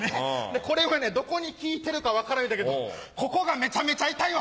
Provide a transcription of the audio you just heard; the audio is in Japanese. これはどこに効いてるか分からん言うたけどここがめちゃめちゃ痛いわ！